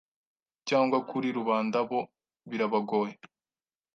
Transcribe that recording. cyangwa kuri rubanda bo birabagoye